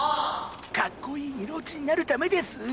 かっこいい色落ちになるためです。